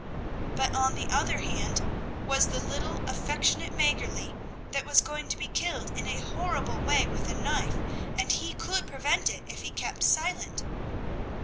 But on the other hand was the little, affectionate Mäggerli, that was going to be killed in a horrible way with a knife, and he could prevent it if he kept silent.